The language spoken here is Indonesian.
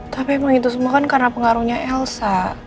tapi emang itu semua kan karena pengaruhnya elsa